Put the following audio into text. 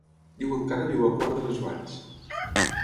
Diuen que ara viu a Quart de les Valls.